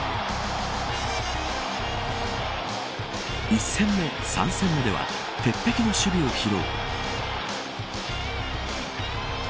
１戦目３戦目では鉄壁の守備を披露。